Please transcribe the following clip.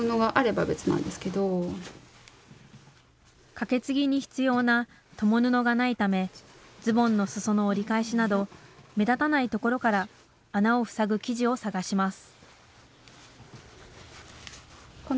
かけつぎに必要な共布がないためズボンの裾の折り返しなど目立たない所から穴を塞ぐ生地を探します